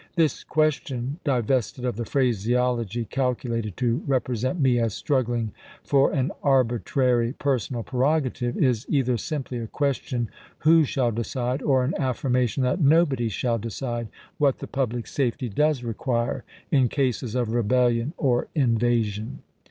This ques tion, divested of the phraseology calculated to represent me as struggling for an arbitrary personal prerogative, is either simply a question who shall decide, or an affirmation that nobody shall decide, what the public safety does require in cases of rebellion or invasion.